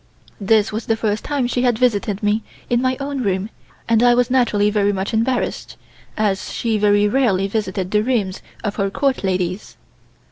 This was the first time she had visited me in my own room, and I was naturally very much embarrassed, as she very rarely visited the rooms of her Court ladies.